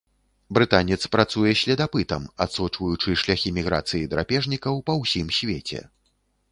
Брытанец працуе следапытам, адсочваючы шляхі міграцыі драпежнікаў па ўсім свеце.